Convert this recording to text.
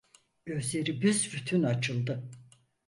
Gözleri büsbütün açıldı.